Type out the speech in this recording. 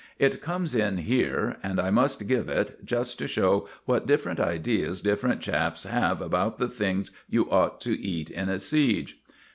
It comes in here, and I must give it, just to show what different ideas different chaps have about the things you ought to eat in a siege.